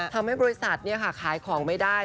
ทำให้บริษัทขายของไม่ได้